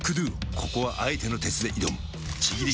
ここはあえての鉄で挑むちぎり